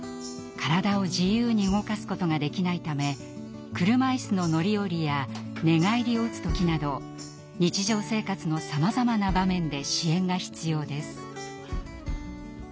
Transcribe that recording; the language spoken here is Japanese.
体を自由に動かすことができないため車いすの乗り降りや寝返りをうつ時など日常生活のさまざまな場面で支援が必要です。